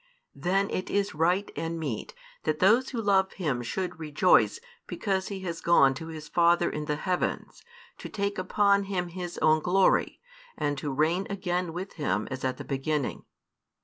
Then it is right and meet that those who love Him should rejoice because He has gone to His Father in the heavens, to take upon Him His own glory, and to reign again with Him as at the beginning.